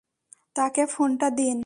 তাকে ফোনটা দিন।